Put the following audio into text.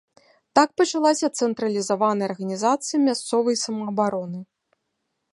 Так пачалася цэнтралізаваная арганізацыя мясцовай самаабароны.